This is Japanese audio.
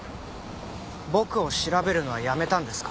僕を調べるのはやめたんですか？